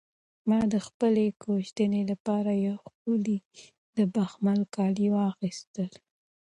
ما د خپلې کوژدنې لپاره یو ښکلی د بخمل کالي واخیستل.